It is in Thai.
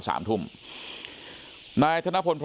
สวัสดีครับทุกคน